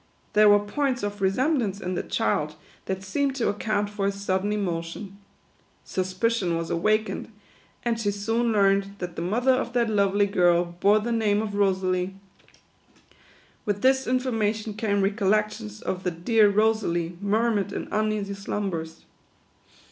There were points of resemblance in the child, that seemed to account for his sudden emotion. Suspicion was awakened, and she soon learned that the mother of that lovely girl bore the name of Rosalie ; with this information came recollections of the " dear Rosalie," murmured in uneasy slumbers.